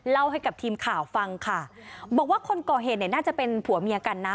เล่าให้กับทีมข่าวฟังค่ะบอกว่าคนก่อเหตุเนี่ยน่าจะเป็นผัวเมียกันนะ